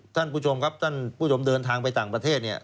ท่านผู้ชมครับท่านผู้ชมเดินทางไปต่างประเทศเนี่ย